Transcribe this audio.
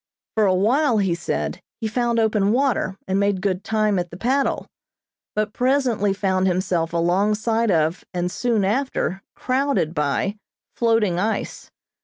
For a while, he said, he found open water, and made good time at the paddle, but presently found himself alongside of and soon after crowded by floating ice.